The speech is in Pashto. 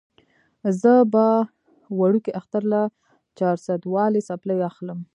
زه به وړوکي اختر له چارسدوالې څپلۍ اخلم